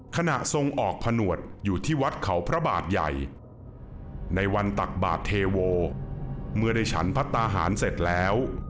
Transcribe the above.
ทรงออกผนวดอยู่ที่วัดเขาพระบาทใหญ่ในวันตักบาทเทโวเมื่อได้ฉันพระตาหารเสร็จแล้ว